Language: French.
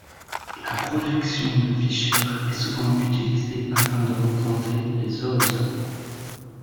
La projection de Fischer est souvent utilisée afin de représenter les oses.